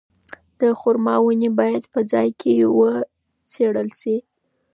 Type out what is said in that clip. د خورما ونې باید په ځای کې وڅېړل شي.